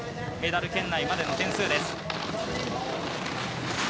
メダル圏内までの点数です。